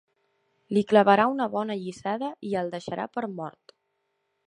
Li clavarà una bona allisada i el deixarà per mort.